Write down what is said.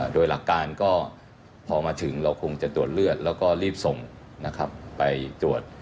โดยหลักการก็พอมาถึงเราคงจะตรวจเลือดแล้วก็รีบส่งไปตรวจ